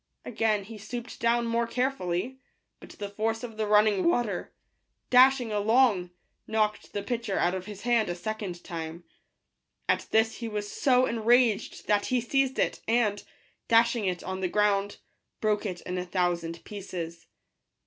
Again he stooped down more care fully ; but the force of the running water, dashing along, knocked the pitcher out of his hand a second time. At this he was so enraged that he seized it, and, dashing it on the ground, broke it in a thousand pieces.